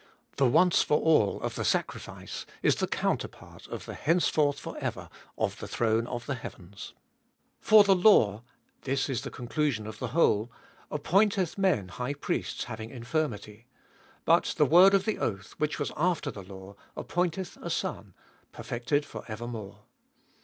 The once for all of the sacrifice is the counterpart of the henceforth for ever of the throne of the heavens. For the law, this is the conclusion of the whole, appointeth men high priests, having infirmity; but the word of the oath, which was after the law, appointeth a Son, perfected for evermore.